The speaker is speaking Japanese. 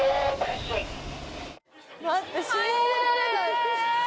待って信じられない。